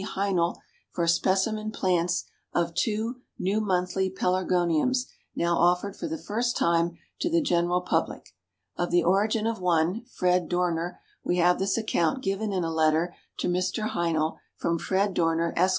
Heinl for specimen plants of two "New Monthly Pelargoniums," now offered for the first time to the general public. Of the origin of one, Fred Dorner, we have this account given in a letter to Mr. Heinl, from Fred Dorner, Esq.